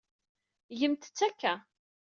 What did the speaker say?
Gemt-tt akka.